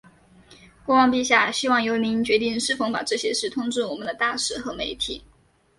国王陛下希望由您决定是否把这些事通知我们的大使和媒体。